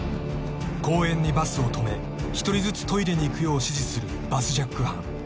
［公園にバスを止め１人ずつトイレに行くよう指示するバスジャック犯］